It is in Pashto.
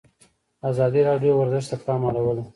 ازادي راډیو د ورزش ته پام اړولی.